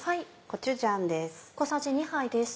コチュジャンです。